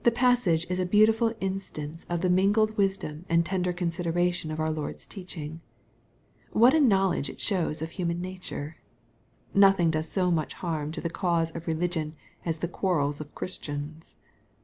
The passage is a beautiful instance of the mingled wisdom and tender consideration of our Lord's teaching. What a knowledge it shows of human nature I Nothing does so much harm to the cause of religion as the quar* rels of Christians.